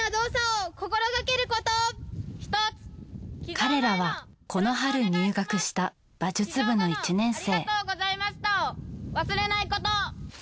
彼らはこの春入学した馬術部の１年生。